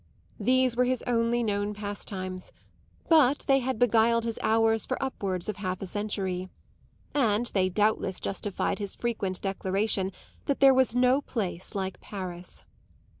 These were his only known pastimes, but they had beguiled his hours for upwards of half a century, and they doubtless justified his frequent declaration that there was no place like Paris.